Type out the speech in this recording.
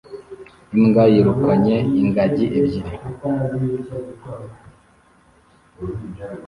Imbwa yirukanye ingagi ebyiri